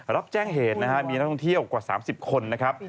รับแจ้งเหตุนะฮะมีนักท่องเที่ยวกว่า๓๐คนนะครับ